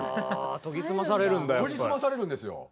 研ぎ澄まされるんですよ。